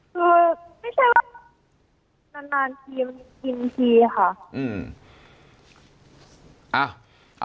คือไม่ใช่ว่านานคีย์ค่ะ